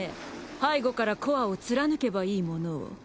背後からコアを貫けばいいものを。